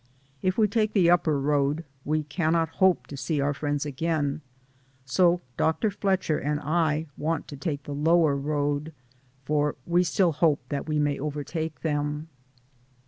If we take the upper road we cannot hope to see our friends again, so Dr. Fletcher and I want to take the lower road, for we still hope that we may overtake them.